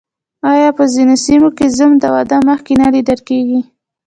آیا په ځینو سیمو کې زوم د واده مخکې نه لیدل کیږي؟